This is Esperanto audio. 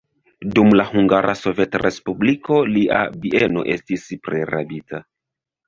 Dum la Hungara Sovetrespubliko lia bieno estis prirabita.